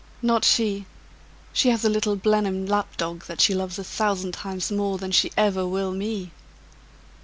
"Not she! She has a little Blenheim lapdog, that she loves a thousand times more than she ever will me!"